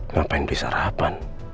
ngapain beli sarapan